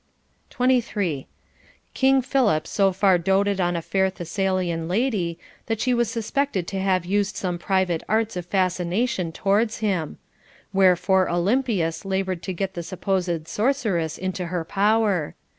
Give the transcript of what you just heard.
23. King Philip so far doted on a fair Thessalian lady, that she was suspected to have used some private arts of fascination towards him. Wherefore Olympias labored to get the supposed sorceress into her power.